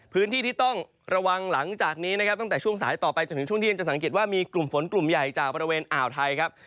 พื้นที่ที่ต้องระวังหลังจากนี้นะครับตั้งแต่ช่วงสายต่อไปจนถึงช่วงเที่ยงจะสังเกตว่ามีกลุ่มฝนกลุ่มใหญ่จากบริเวณอ่าวไทยครับ